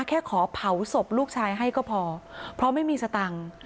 ขอเผาศพลูกชายให้ก็พอเพราะไม่มีสตังค์